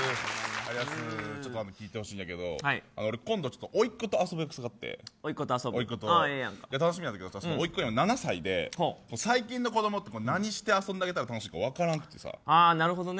ちょっと、聞いてほしいんだけど今度、ちょっとおいっ子と遊ぶ約束があって楽しみなんだけどそのおいっ子が７歳で最近の子どもは何して遊んであげたら楽しいか分からんくてさ。